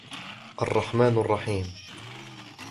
الرَّحْمَنِ الرَّحِيمِ